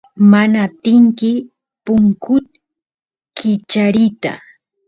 mana atinki punkut kichariyta